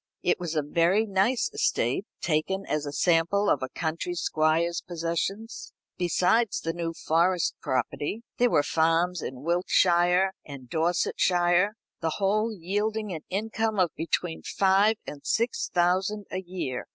It was a very nice estate, taken as a sample of a country squire's possessions. Besides the New Forest property, there were farms in Wiltshire and Dorsetshire; the whole yielding an income of between five and six thousand a year.